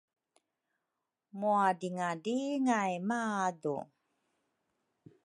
mwadringadringay madu